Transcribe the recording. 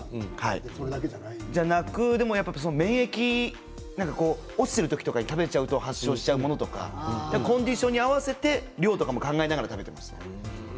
それだけじゃなく免疫落ちてる時に食べちゃうと発症しちゃうものとかコンディションに合わせて量を考えながら食べています。